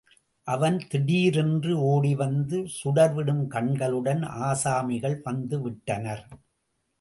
அவன் திடீரென்று ஓடிவந்து சுடர்விடும் கண்களுடன் ஆசாமிகள் வந்துவிட்டனர்.